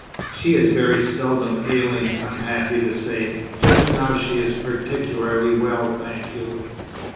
"She is very seldom ailing, I'm happy to say; just now she is particularly well, thank you."